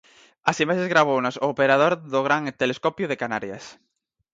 As imaxes gravounas o operador do Gran Telescopio de Canarias.